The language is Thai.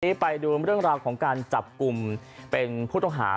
วันนี้ไปดูเรื่องราวของการจับกลุ่มเป็นผู้ต้องหา